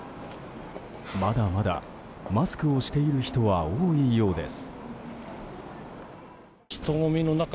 まだまだマスクをしている人は多いようです。